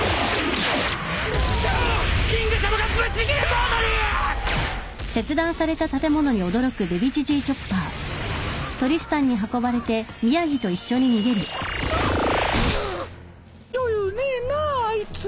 余裕ねえなあいつ。